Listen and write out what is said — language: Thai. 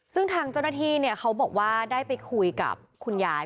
ซึ่งทางเจ้าหน้าที่เขาบอกว่าได้ไปคุยกับคุณยาย